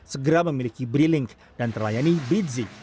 segera memiliki brilink dan terlayani britsi